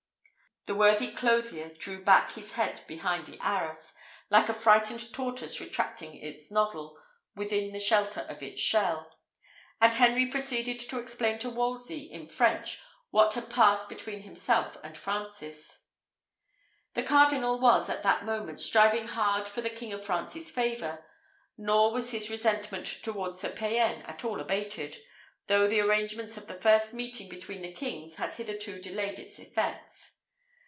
The worthy clothier drew back his head behind the arras, like a frightened tortoise retracting its noddle within the shelter of its shell; and Henry proceeded to explain to Wolsey, in French, what had passed between himself and Francis. The cardinal was, at that moment, striving hard for the King of France's favour; nor was his resentment towards Sir Payan at all abated, though the arrangements of the first meeting between the kings had hitherto delayed its effects.